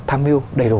tham mưu đầy đủ